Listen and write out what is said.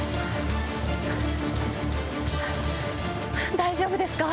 大丈夫ですか？